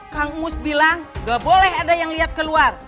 kang umus bilang gak boleh ada yang liat keluar